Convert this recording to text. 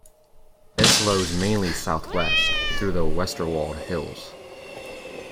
It flows mainly south-west, through the Westerwald hills.